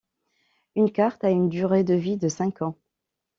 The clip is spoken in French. Une carte a une durée de vie de cinq ans.